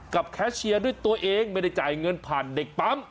แคชเชียร์ด้วยตัวเองไม่ได้จ่ายเงินผ่านเด็กปั๊ม